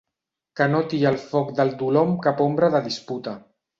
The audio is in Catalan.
Que no atia el foc del dolor amb cap ombra de disputa.